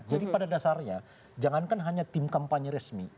jadi pada dasarnya jangankan hanya tim kampanye resmi